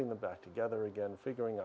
interaksi sosial misalnya